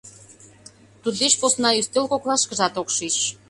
Туддеч посна ӱстел коклашкыжат ок шич.